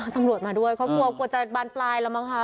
ตำรวจมาด้วยเขากลัวกลัวจะบานปลายแล้วมั้งคะ